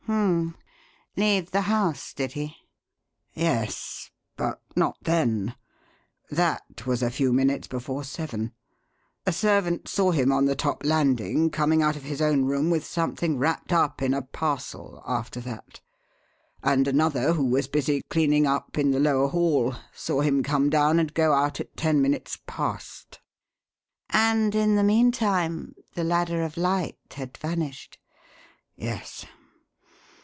"H'm! Leave the house, did he?" "Yes but not then. That was a few minutes before seven. A servant saw him on the top landing coming out of his own room with something wrapped up in a parcel, after that. And another, who was busy cleaning up in the lower hall, saw him come down and go out at ten minutes past." "And in the meantime, the Ladder of Light had vanished?" "Yes.